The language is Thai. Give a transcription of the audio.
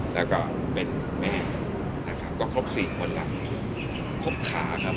แล้วก็เป็นแม่นะครับก็ครบสี่คนแล้วครบขาครับ